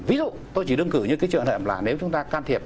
ví dụ tôi chỉ đơn cử như cái trường hợp là nếu chúng ta can thiệp